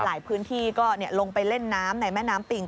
หลายพื้นที่ก็ลงไปเล่นน้ำในแม่น้ำปิง